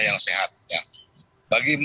yang sehat bagi